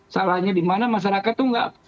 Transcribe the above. salahnya dimana masyarakat itu nggak